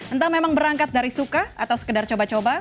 entah memang berangkat dari suka atau sekedar coba coba